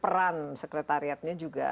peran sekretariatnya juga